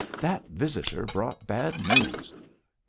That visitor brought bad news!